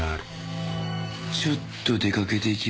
「ちょっと出かけてきます」